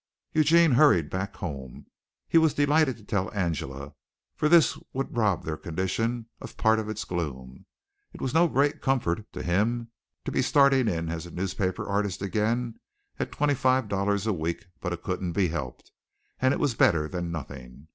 Eugene hurried back home. He was delighted to tell Angela, for this would rob their condition of part of its gloom. It was no great comfort to him to be starting in as a newspaper artist again at twenty five dollars a week, but it couldn't be helped, and it was better than nothing.